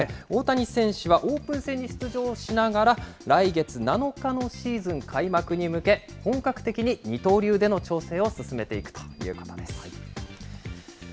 大谷選手はオープン戦に出場しながら、来月７日のシーズン開幕に向け、本格的に二刀流での調整を進めていくということです。